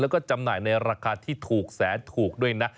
แล้วก็จำหน่ายในราคาที่ถูกแสนถูกด้วยนะ